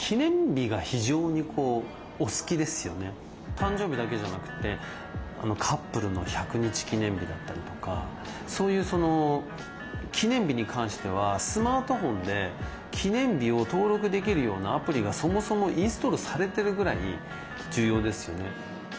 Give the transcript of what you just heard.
誕生日だけじゃなくてカップルの１００日記念日だったりとかそういうその記念日に関してはスマートフォンで記念日を登録できるようなアプリがそもそもインストールされてるぐらい重要ですよね。